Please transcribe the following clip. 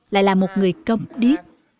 lại là một người công điếp